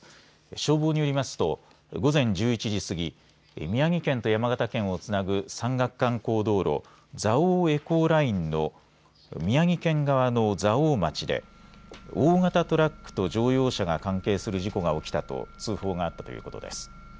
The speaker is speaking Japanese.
消防によりますと午前１１時過ぎ、宮城県と山形県をつなぐ山岳観光道路、蔵王エコーラインの宮城県側の蔵王町で大型トラックと乗用車が関係する事故が起きたと通報があったということです。